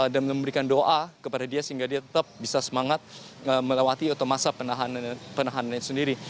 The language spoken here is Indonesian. dan memberikan doa kepada dia sehingga dia tetap bisa semangat melewati masa penahanannya sendiri